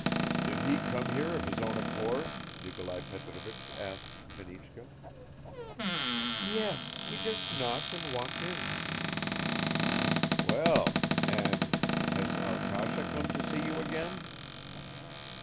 "Did he come here of his own accord?" Nikolai Petrovich asked Fenichka. "Yes, he just knocked and walked in." "Well, and has Arkasha come to see you again?"